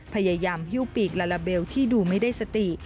พยายามหิ้วปีกลาลาเบลที่ดูไม่ได้สติ